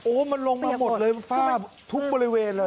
มันลงมาหมดเลยฝ้าทุกบริเวณเลย